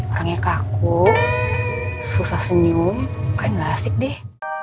orangnya kaku susah senyum kan gak asik deh